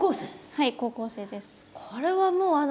はい高校生です。